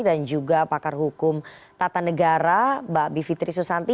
dan juga pakar hukum tata negara mbak bibi fitri susanti